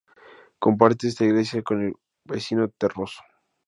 Comparte esta iglesia con el vecino Terroso.